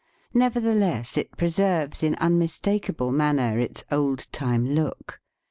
Nevertheless, it preserves in un mistakable manner its old time look.